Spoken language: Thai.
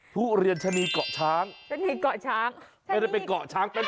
ทุเรียนชะนีเกาะช้างไม่ได้เป็นเกาะช้างแปน